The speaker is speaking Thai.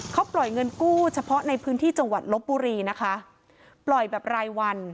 เขาปล่อยเงินกู้เฉพาะในพื้นที่จังหวัดลบบุรีนะคะปล่อยแบบรายวัน